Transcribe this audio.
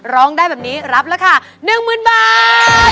ร้องได้แบบนี้รับราคา๑๐๐๐บาท